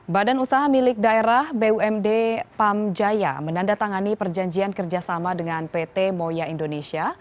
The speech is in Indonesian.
badan usaha milik daerah bumd pamjaya menandatangani perjanjian kerjasama dengan pt moya indonesia